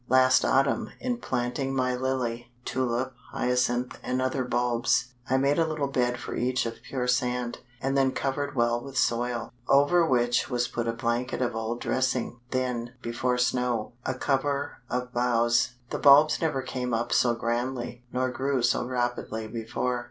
Last autumn, in planting my Lily, Tulip, Hyacinth, and other bulbs, I made a little bed for each of pure sand, and then covered well with soil, over which was put a blanket of old dressing, then, before snow, a covering of boughs. The bulbs never came up so grandly, nor grew so rapidly before.